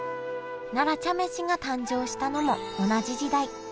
奈良茶飯が誕生したのも同じ時代。